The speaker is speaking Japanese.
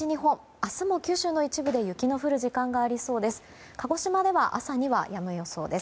明日も九州の一部で雪の降る時間がありそうです。